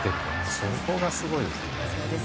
そこがすごいですよね。